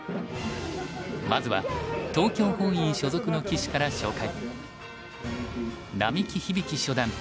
まずは東京本院所属の棋士から紹介。